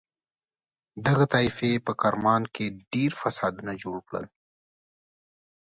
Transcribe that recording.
دغه طایفې په کرمان کې ډېر فسادونه جوړ کړل.